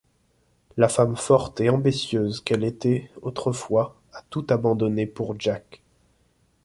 La femme forte et ambitieuse qu'elle était autrefois a tout abandonné pour Jack.